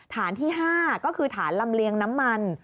ฐานที่๕ก็คือฐานลำเลียงน้ำมัน